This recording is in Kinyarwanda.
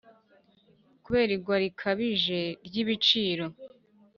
kubera igwa rikabije ry'ibiciro,